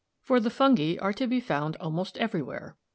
For the fungi are to be found almost everywhere.